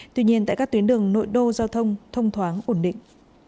tuy nhiên tại các tuyến đường nội đô giao thông thông thoáng ổn định